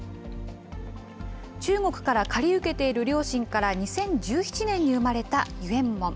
中国から借り受けている両親から２０１７年に生まれたユエンモン。